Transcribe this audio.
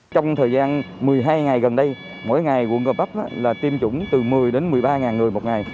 trong thời gian một mươi hai ngày gần đây mỗi ngày quận gò bắp là tiêm chủng từ một mươi đến một mươi ba người một ngày